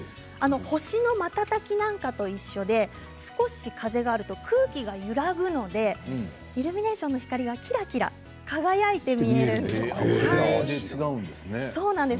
星の瞬きなんかと一緒で少し風があると空気が揺らぐのでイルミネーションの光がキラキラと輝いて見えるんです。